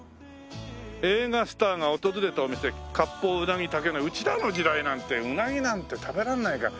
「映画スターが訪れたお店割烹・うなぎ竹乃家」うちらの時代なんてうなぎなんて食べらんないから。